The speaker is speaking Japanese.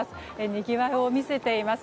にぎわいを見せています。